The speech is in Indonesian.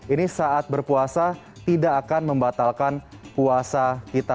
ini saat berpuasa tidak akan membatalkan puasa kita